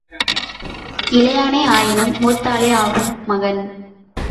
இளையானே ஆயினும் மூத்தாளே ஆகும் மகன்.